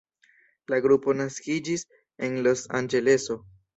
La grupo naskiĝis en Los Anĝeleso.